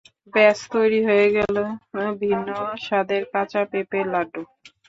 ব্যাস তৈরি হয়ে গেল ভিন্ন স্বাদের কাঁচা পেঁপের লাড্ডু।